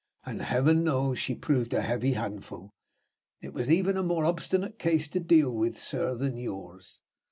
And, Heaven knows, she proved a heavy handful! It was even a more obstinate case to deal with, sir, than yours.